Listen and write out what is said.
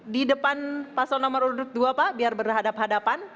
di depan pasangan nomor dua pak biar berhadapan hadapan